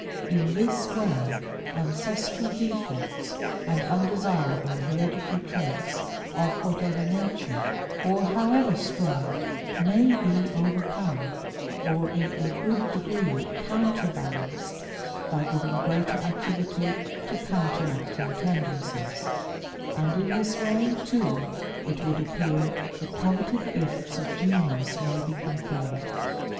IN THIS WAY ANCESTRAL DEFECTS AND UNDESIRABLE HEREDITARY TRAITS, OF WHATEVER NATURE OR HOWEVER STRONG, MAY BE OVERCOME, OR IN A GOOD DEGREE COUNTERBALANCED BY GIVING GREATER ACTIVITY TO COUNTERACTING TENDENCIES; and, in this way, too, it would appear the coveted gifts of genius may be conferred.